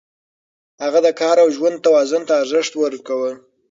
هغه د کار او ژوند توازن ته ارزښت ورکاوه.